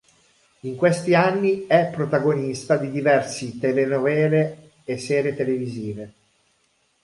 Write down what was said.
In questi anni è protagonista di diversi telenovele e serie televisive.